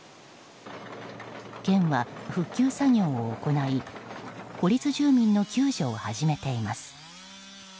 県は復旧作業を行い孤立住民の救助を始めています。